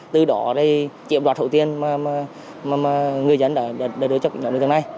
từ đó thì chiếm đoạt số tiền mà người dân đã đối tượng này